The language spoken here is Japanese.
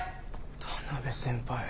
田辺先輩。